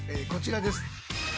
こちらです。